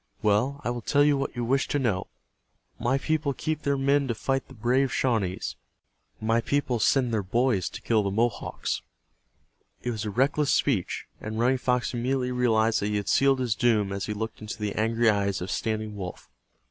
Well, I will tell you what you wish to know. My people keep their men to fight the brave Shawnees. My people send their boys to kill the Mohawks." It was a reckless speech, and Running Fox immediately realized that he had sealed his doom as he looked into the angry eyes of Standing Wolf.